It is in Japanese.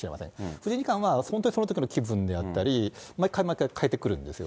藤井二冠は本当にそのときの気分であったり、毎回毎回変えてくるんですよ。